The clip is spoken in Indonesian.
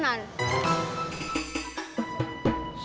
tidak ada yang beli